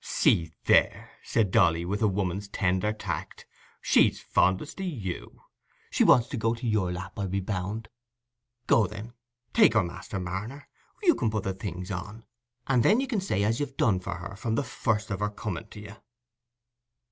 "See there," said Dolly, with a woman's tender tact, "she's fondest o' you. She wants to go o' your lap, I'll be bound. Go, then: take her, Master Marner; you can put the things on, and then you can say as you've done for her from the first of her coming to you."